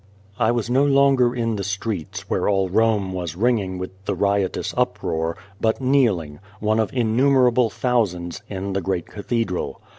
I was no longer in the streets, where all Rome was ringing with the riotous uproar, but kneeling one of innumerable thousands in the great cathedral.